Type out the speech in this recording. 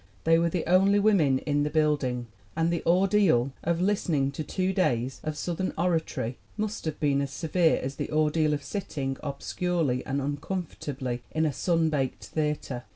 They were the only women in the building and the ordeal of listening to two days of Southern oratory must have been as se vere as the ordeal of sitting, obscurely and uncom fortably, in a sun baked theater.